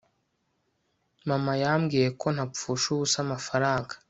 mama yambwiye ko ntapfusha ubusa amafaranga